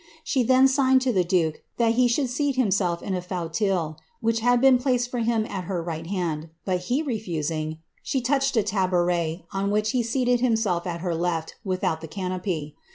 She then signed to the duke that he should seat hinuwlf in i fruteuil, which had been placed for him at her right hand, but be Rfnstng, she touched a tabouret, on which he seated himself at her left, withoat tlie canopy.